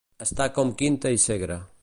Estar com Quinta i Segre.